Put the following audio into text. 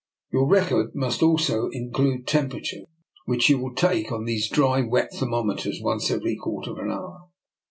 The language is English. Your record must also in clude temperature, which you will take on these dry and wet thermometers once every quarter of an hour.